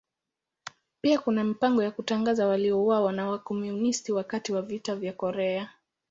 Pia kuna mipango ya kutangaza waliouawa na Wakomunisti wakati wa Vita vya Korea.